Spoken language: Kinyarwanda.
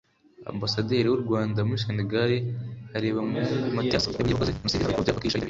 Ambasaderi w’u Rwanda muri Senegal Harebamungu Mathias yaburiye abakoze Jenoside n’abayipfobya bakihishe hirya no hino